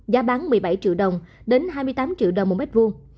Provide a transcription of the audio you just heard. giá bán một mươi bảy triệu đồng đến hai mươi tám triệu đồng một mét vuông